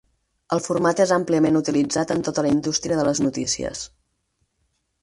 El format és àmpliament utilitzat en tota la indústria de les notícies.